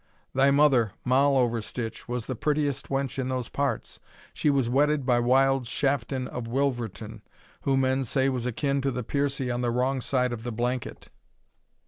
Thy mother, Moll Overstitch, was the prettiest wench in those parts she was wedded by wild Shafton of Wilverton, who men say, was akin to the Piercie on the wrong side of the blanket."